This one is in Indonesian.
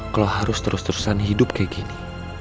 kalau harus terus terusan hidup kayak gini